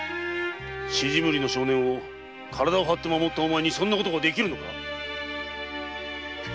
シジミ売りの少年を体を張って守ったお前にそんなことができるのか！